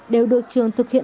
đều được trường thực hiện